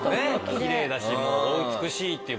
きれいだしお美しいっていう。